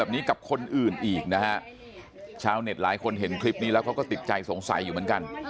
แบบนี้กับคนอื่นอีกนะฮะชาวเน็ตหลายคนเห็นคลิปนี้แล้วเขาก็ติดใจสงสัยอยู่เหมือนกัน